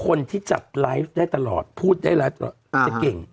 คนที่จับไลฟ์ได้ตลอดพูดได้ไลฟ์จะเก่ง